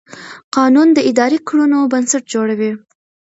قانون د اداري کړنو بنسټ جوړوي.